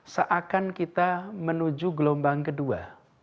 seakan kita menuju gelombang kedua